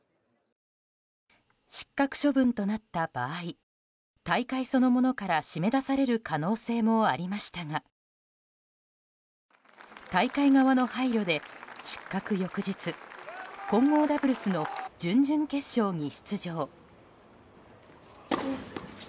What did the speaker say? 失格処分となった場合大会そのものから締め出される可能性もありましたが大会側の配慮で失格翌日混合ダブルスの準々決勝に出場。